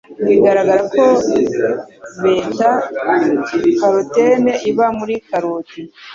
Bigaragara ko beta-carotene iba muri karoti,